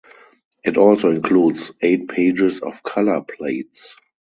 It also includes eight pages of color plates.